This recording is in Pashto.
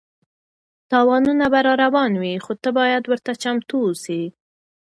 تاوانونه به راروان وي خو ته باید ورته چمتو اوسې.